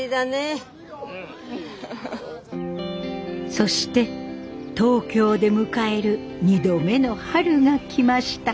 そして東京で迎える２度目の春が来ました。